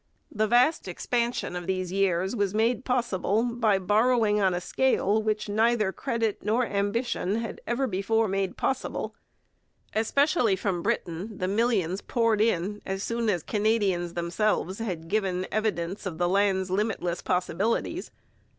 The vast expansion of these years was made possible by borrowing on a scale which neither credit nor ambition had ever before made possible. Especially from Britain the millions poured in as soon as Canadians themselves had given evidence of the land's limitless possibilities.